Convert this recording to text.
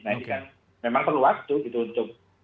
nah ini kan memang perlu waktu gitu untuk